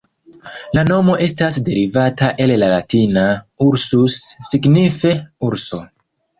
La nomo estas derivata el la Latina "ursus", signife "urso".